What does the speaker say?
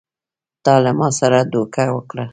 تا له ما سره دوکه وکړه!